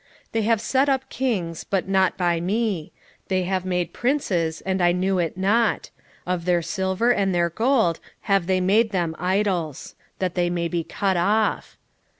8:4 They have set up kings, but not by me: they have made princes, and I knew it not: of their silver and their gold have they made them idols, that they may be cut off.